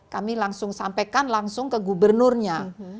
kami langsung sampaikan langsung ke gubernurnya